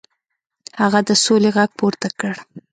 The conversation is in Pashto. هغه د سولې غږ پورته کړ.